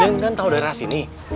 din kan tau daerah sini